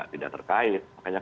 tidak terkait makanya